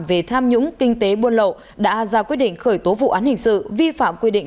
về tham nhũng kinh tế buôn lậu đã ra quyết định khởi tố vụ án hình sự vi phạm quy định